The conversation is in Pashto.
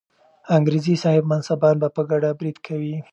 انګریزي صاحب منصبان به په ګډه برید کوي.